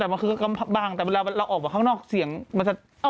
แต่มันคือกำบังแต่เวลาเราออกมาข้างนอกเสียงมันจะ